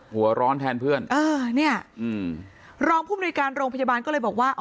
หัวร้อนแทนเพื่อนเออเนี่ยอืมรองผู้มนุยการโรงพยาบาลก็เลยบอกว่า